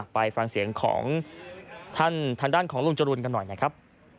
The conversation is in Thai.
ไปฟังเสียงของท่านทางด้านของลุงจรูนกันหน่อยนะครับ